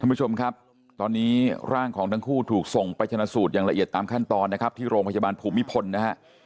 คุณผู้ชมครับตอนนี้ร่างของทั้งคู่ถูกส่งไปชนะสูตรอย่างละเอียดตามขั้นตอนนะครับที่โรงพยาบาลภูมิพลนะฮะ